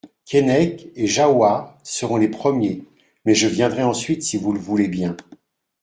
Keinec et Jahoua seront les premiers ; mais je viendrai ensuite si vous le voulez bien.